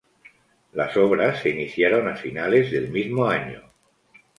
Las obras se iniciaron a finales del mismo año.